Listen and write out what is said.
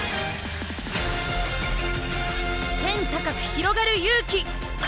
天高くひろがる勇気！